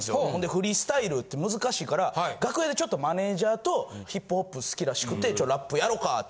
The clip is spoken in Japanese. フリースタイルって難しいから楽屋でちょっとマネジャーとヒップホップ好きらしくてちょっとラップやろかって